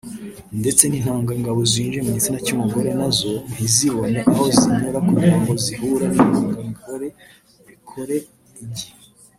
ndetse n’intangangabo zinjiye mu gitsina cy’umugore nazo ntizibone aho zinyura kugirango zihure n’intangangore bikore igi